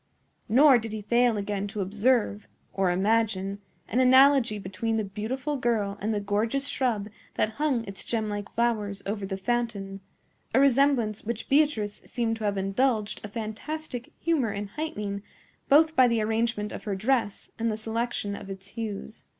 Nor did he fail again to observe, or imagine, an analogy between the beautiful girl and the gorgeous shrub that hung its gemlike flowers over the fountain,—a resemblance which Beatrice seemed to have indulged a fantastic humor in heightening, both by the arrangement of her dress and the selection of its hues.